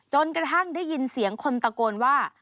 จนกระทั่งได้ยินเสียงคนตะโกนว่า